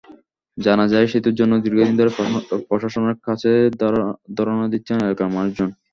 জানা যায়, সেতুর জন্য দীর্ঘদিন ধরে প্রশাসনের কাছে ধরনা দিচ্ছেন এলাকার মানুষজন।